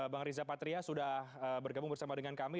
bang riza patria sudah bergabung bersama dengan kami